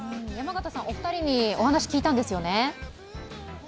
お二人にお話聞いたんですよね。